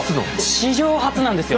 史上初なんですよ！